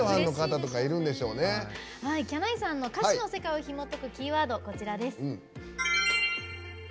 きゃないさんの歌詞の世界をひもとくキーワードです。